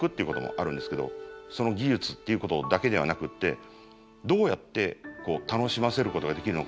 その技術っていうことだけではなくってどうやって楽しませることができるのか。